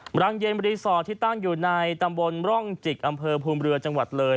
หลังเย็นรีสอร์ทที่ตั้งอยู่ในตำบลร่องจิกอำเภอภูมิเรือจังหวัดเลย